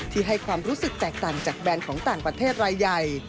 ให้ความรู้สึกแตกต่างจากแบรนด์ของต่างประเทศรายใหญ่